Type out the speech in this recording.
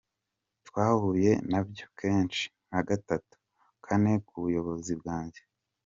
Twahuye nabyo kenshi nka gatatu, kane, ku buyobozi bwanjye.